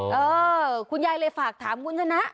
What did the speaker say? เออคุณยายเลยฝากถามคุณชนะ